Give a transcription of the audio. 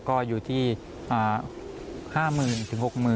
ก็อยู่ที่๕๐๐๐๐๖๐๐๐๐บาท